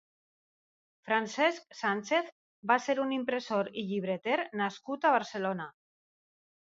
Francesc Sánchez va ser un impressor i llibreter nascut a Barcelona.